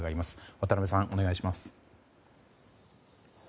渡辺さん、お願いします。